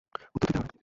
উত্তর দিতে হবে।